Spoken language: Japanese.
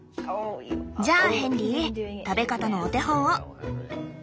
じゃあヘンリー食べ方のお手本を。